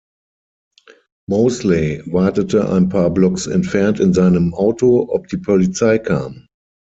Moseley wartete ein paar Blocks entfernt in seinem Auto, ob die Polizei kam.